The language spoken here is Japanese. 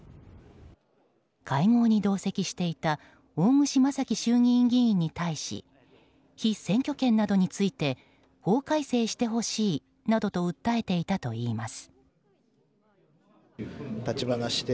会合に同席していた大串正樹衆議院議員に対し被選挙権などについて法改正してほしいなどと訴えていたといいます。